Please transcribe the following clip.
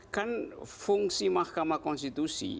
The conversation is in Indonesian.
kan fungsi mahkamah konstitusi